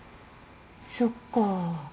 そっか。